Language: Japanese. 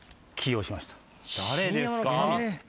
誰ですか？